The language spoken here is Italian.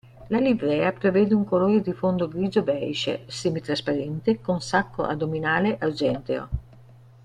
La livrea prevede un colore di fondo grigio-beige semitrasparente, con sacco addominale argenteo.